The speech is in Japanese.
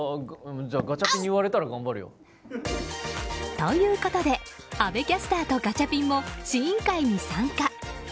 ということで阿部キャスターとガチャピンも試飲会に参加。